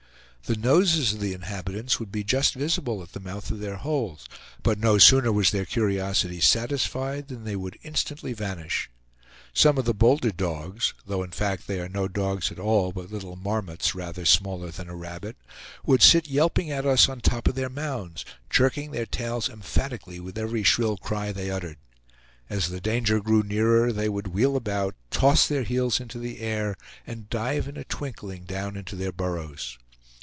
The noses of the inhabitants would be just visible at the mouth of their holes, but no sooner was their curiosity satisfied than they would instantly vanish. Some of the bolder dogs though in fact they are no dogs at all, but little marmots rather smaller than a rabbit would sit yelping at us on the top of their mounds, jerking their tails emphatically with every shrill cry they uttered. As the danger grew nearer they would wheel about, toss their heels into the air, and dive in a twinkling down into their burrows.